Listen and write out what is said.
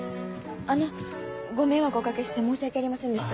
あのご迷惑をおかけして申し訳ありませんでした。